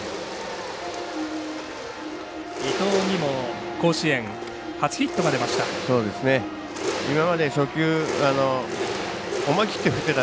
伊藤にも甲子園初ヒットが出ました。